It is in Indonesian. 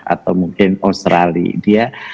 atau mungkin australia dia